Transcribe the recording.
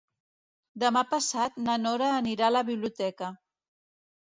Demà passat na Nora anirà a la biblioteca.